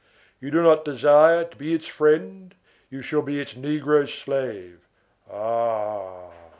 You do not desire to be its friend, you shall be its negro slave. Ah!